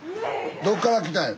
どっから来たんや？